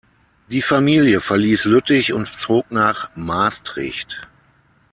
Die Familie verließ Lüttich und zog nach Maastricht.